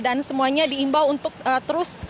dan semuanya diimbau untuk terus